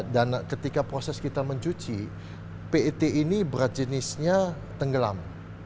dan ketika proses kita mencuci pet ini berjenisnya tenggelam